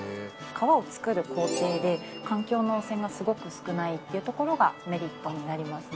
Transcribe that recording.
革を作る工程で環境の汚染がすごく少ないっていうところがメリットになりますね。